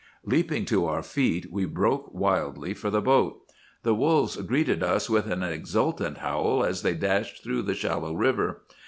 "Leaping to our feet we broke wildly for the boat. The wolves greeted us with an exultant howl as they dashed through the shallow river.